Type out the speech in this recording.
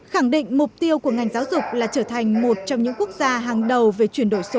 khẳng định mục tiêu của ngành giáo dục là trở thành một trong những quốc gia hàng đầu về chuyển đổi số